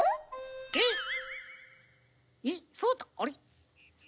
えっ？えそうあれ？